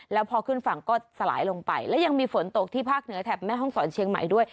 แล้วพอขึ้นฝั่งก็สลายลงไปและยังมีฝนตกที่ภาคเหนือแถบแม่ห้องศรเชียงใหม่ด้วย